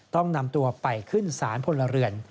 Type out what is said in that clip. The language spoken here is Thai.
ต้องนำตัวไปขึ้นศาลพลเรือน